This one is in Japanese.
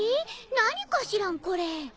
何かしらんこれ。